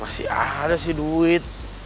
masih ada sih duit